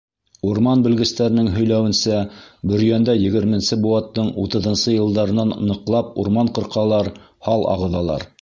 Урман белгестәренең һөйләүенсә, Бөрйәндә егерменсе быуаттың утыҙынсы йылдарынан ныҡлап урман ҡырҡалар, һал ағыҙалар.